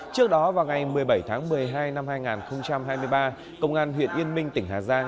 trước đó vào ngày một mươi bảy tháng một mươi hai năm hai nghìn hai mươi ba công an huyện yên minh tỉnh hà giang